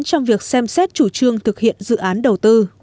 trong việc xem xét chủ trương thực hiện dự án đầu tư